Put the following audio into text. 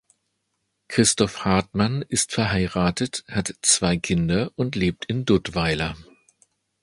Christoph Hartmann ist verheiratet, hat zwei Kinder und lebt in Dudweiler.